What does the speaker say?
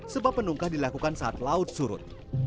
sebab penungkah dilakukan saat laut surut